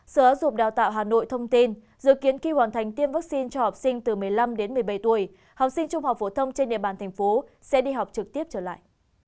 sở giáo dục đào tạo hà nội thông tin dự kiến khi hoàn thành tiêm vaccine cho học sinh từ một mươi năm đến một mươi bảy tuổi học sinh trung học phổ thông trên địa bàn thành phố sẽ đi học trực tiếp trở lại